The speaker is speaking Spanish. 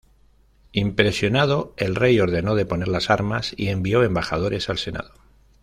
Impresionado, el rey ordenó deponer las armas y envió embajadores al Senado.